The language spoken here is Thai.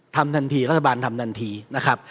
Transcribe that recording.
ทำทันทีรัฐบาลทำทันทีนะครับ